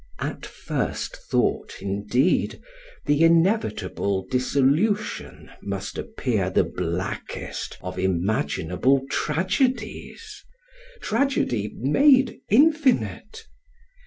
At first thought, indeed, the inevitable dissolu tion must appear the blackest of imaginable trage dies, — tragedy made infinite